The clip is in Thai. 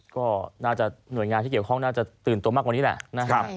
ก็หน่วยงานที่เกี่ยวข้องน่าจะตื่นตัวมากกว่านี้แหละ